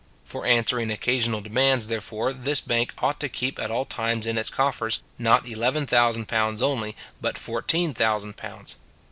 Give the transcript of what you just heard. For answering occasional demands, therefore, this bank ought to keep at all times in its coffers, not eleven thousand pounds only, but fourteen thousand pounds.